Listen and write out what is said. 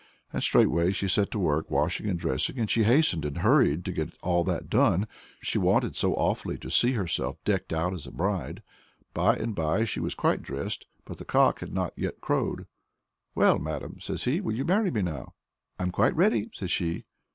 And straightway she set to work washing and dressing and she hastened and hurried to get all that done she wanted so awfully to see herself decked out as a bride. By and by she was quite dressed but the cock had not yet crowed. "Well, maiden!" says he, "will you marry me now?" "I'm quite ready," says she.